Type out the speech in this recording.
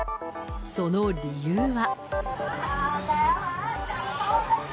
その理由は。